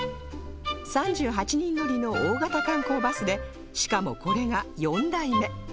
３８人乗りの大型観光バスでしかもこれが４台目